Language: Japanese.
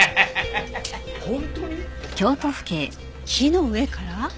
木の上から？